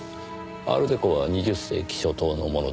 アールデコは２０世紀初頭のものです。